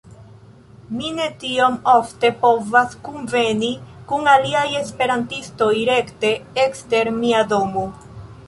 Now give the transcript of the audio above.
Mi ne tiom ofte povas kunveni kun aliaj esperantistoj rekte ekster mia domo.